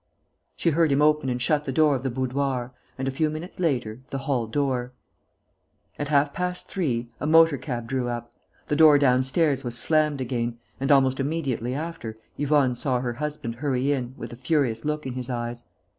She heard him open and shut the door of the boudoir and, a few minutes later, the hall door. At half past three, a motor cab drew up. The door downstairs was slammed again; and, almost immediately after, Yvonne saw her husband hurry in, with a furious look in his eyes.